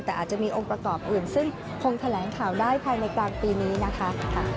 แต่อาจจะมีองค์ประกอบอื่นซึ่งคงแถลงข่าวได้ภายในกลางปีนี้นะคะ